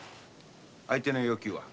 相手の要求は？